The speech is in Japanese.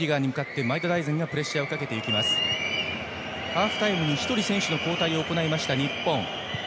ハーフタイムに１人、選手交代した日本。